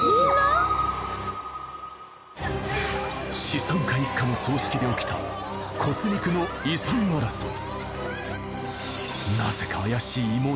資産家一家の葬式で起きた骨肉の遺産争い